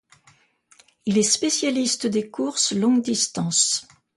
Il est spécialiste des courses longue distance.